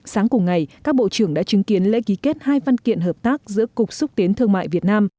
sáng cùng ngày các bộ trưởng đã chứng kiến lễ ký kết hai văn kiện hợp tác giữa cục xúc tiến thương mại việt nam